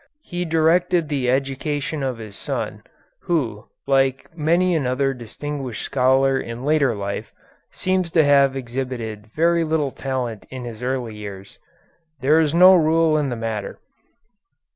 He directed the education of his son, who, like many another distinguished scholar in later life, seems to have exhibited very little talent in his early years. There is no rule in the matter.